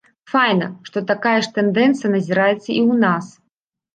Файна, што такая ж тэндэнцыя назіраецца і ў нас.